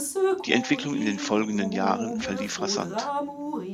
Die Entwicklung in den folgenden Jahren verlief rasant.